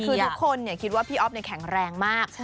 คือทุกคนคิดว่าพี่อ๊อฟแข็งแรงมาก